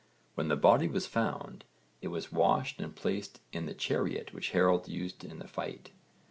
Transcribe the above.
When the body was found, it was washed and placed in the chariot which Harold used in the fight.